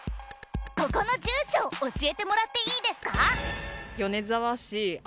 ここの住所教えてもらっていいですか？